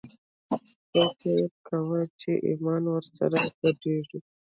هغه فکر چې ایمان ور سره ګډېږي